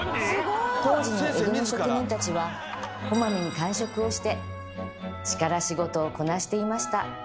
当時の江戸の職人たちはこまめに間食をして力仕事をこなしていました。